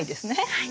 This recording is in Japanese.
はい。